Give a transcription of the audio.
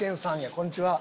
こんにちは。